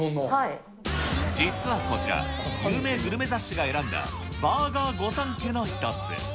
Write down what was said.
実はこちら、有名グルメ雑誌が選んだ、バーガー御三家の一つ。